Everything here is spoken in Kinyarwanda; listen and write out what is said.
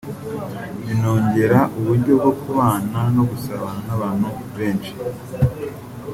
binongera uburyo bwo kubana no gusabana n’abantu benshi